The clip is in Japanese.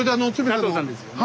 佐藤さんですよね。